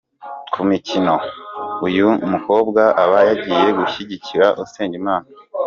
Ku mikino, uyu mukobwa aba yagiye gushyigikira Usengimana.